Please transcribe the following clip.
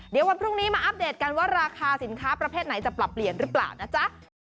เดี๋ยววันพรุ่งนี้มาอัปเดตกันว่าราคาสินค้าประเภทไหนจะปรับเปลี่ยนหรือเปล่านะจ๊ะ